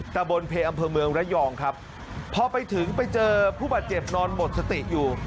ตะบนเพอำเภอเมืองระยองครับพอไปถึงไปเจอผู้บาดเจ็บนอนหมดสติอยู่